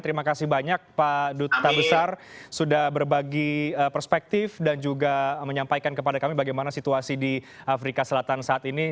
terima kasih banyak pak duta besar sudah berbagi perspektif dan juga menyampaikan kepada kami bagaimana situasi di afrika selatan saat ini